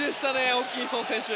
ホーキンソン選手。